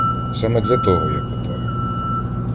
Саме для того я питаю.